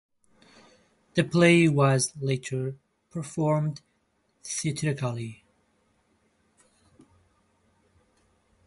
The play was later performed theatrically.